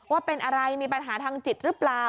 ว่าเป็นอะไรมีปัญหาทางจิตหรือเปล่า